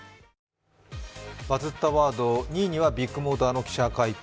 「バズったワード」２位にはビッグモーターの記者会見。